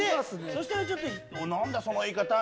そしたらちょっと「何だその言い方は！」